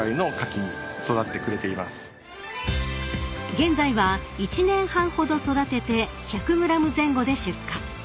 ［現在は１年半ほど育てて１００ｇ前後で出荷］